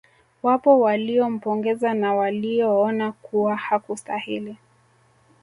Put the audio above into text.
Wapo walio mpongeza na walioona kuwa hakustahili